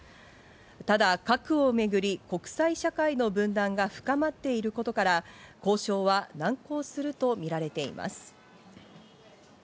ただ核をめぐり国際社会の分断が深まっていることから、交渉は難航するとみられています。